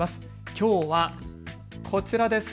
きょうはこちらです。